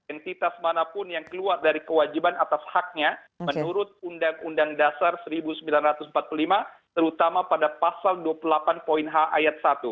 entitas manapun yang keluar dari kewajiban atas haknya menurut undang undang dasar seribu sembilan ratus empat puluh lima terutama pada pasal dua puluh delapan poin h ayat satu